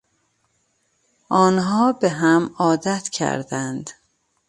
آنها به هم عادت کردند.